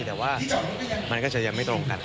แต่ว่ามันก็จะยังไม่ตรงกัน